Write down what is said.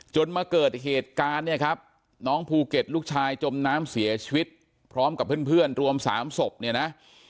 มาเกิดเหตุการณ์เนี่ยครับน้องภูเก็ตลูกชายจมน้ำเสียชีวิตพร้อมกับเพื่อนรวม๓ศพเนี่ยนะ